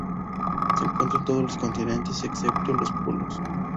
Se encuentra en en todos los continentes, excepto los polos.